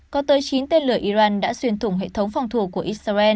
có tới chín tên lửa iran đã xuyên thủng hệ thống phòng thủ của israel